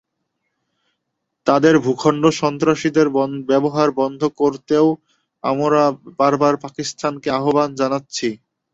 তাদের ভূখণ্ড সন্ত্রাসীদের ব্যবহার বন্ধ করতেও আমরা বারবার পাকিস্তানকে আহ্বান জানাচ্ছি।